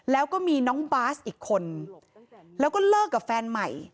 แล้วก็มีน้องบาสอีกคนแล้วก็เลิกกับแฟนใหม่